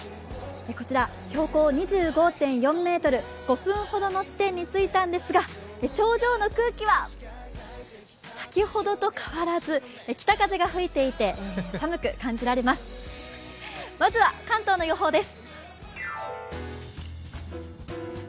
こちら、標高２５．４ｍ、５分ほどの地点についたんですが、頂上の空気は、先ほどと変わらず北風が吹いていて、寒く感じられます。